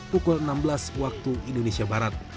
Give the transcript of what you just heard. pukul enam belas wib